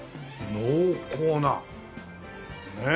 濃厚なねえ。